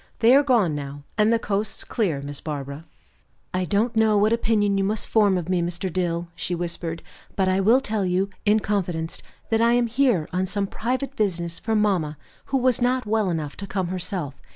"They are gone now, and the coast's clear, Miss Barbara." "I don't know what opinion you must form of me, Mr. Dill," she whispered, "but I will tell you, in confidence, that I am here on some private business for mamma, who was not well enough to come herself.